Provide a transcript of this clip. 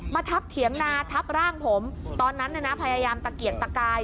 ทับเถียงนาทับร่างผมตอนนั้นพยายามตะเกียกตะกาย